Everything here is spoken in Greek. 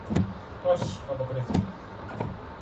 Όχι, αποκρίθηκε